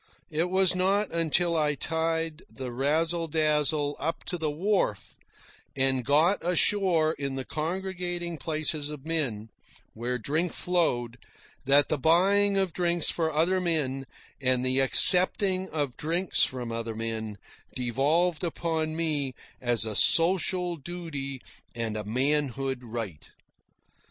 It was not until I tied the Razzle Dazzle up to the wharf and got ashore in the congregating places of men, where drink flowed, that the buying of drinks for other men, and the accepting of drinks from other men, devolved upon me as a social duty and a manhood rite.